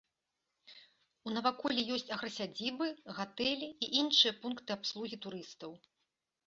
У наваколлі ёсць аграсядзібы, гатэлі і іншыя пункты абслугі турыстаў.